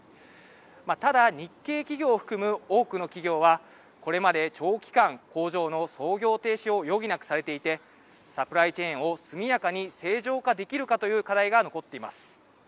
ただ日系企業を含む多くの企業はこれまで長期間工場の操業停止を余儀なくされていてサプライチェーンを速やかに正常化できるかという課題が残っています。